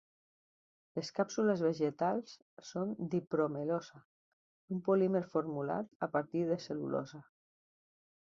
Les càpsules vegetals són d'hipromelosa, un polímer formulat a partir de cel·lulosa.